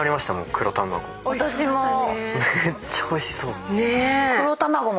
めっちゃおいしそう。